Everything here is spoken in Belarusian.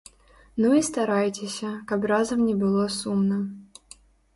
Ну і старайцеся, каб разам не было сумна.